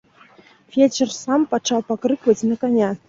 Фельчар сам пачаў пакрыкваць на каня.